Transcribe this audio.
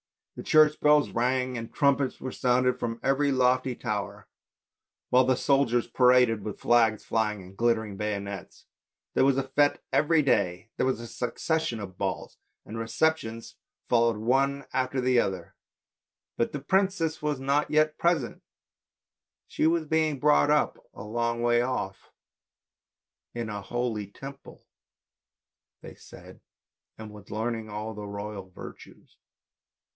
The church bells rang and trumpets were sounded from every lofty tower, while the soldiers paraded with flags flying and glittering bayonets. There was a fete every day, there was a succession of balls, and receptions followed one after the other, but the princess was not yet present, she was being brought up a long way off, in a holy Temple they said, and was learning all the royal virtues.